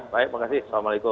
baik terima kasih assalamualaikum